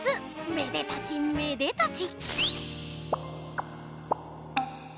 めでたしめでたし！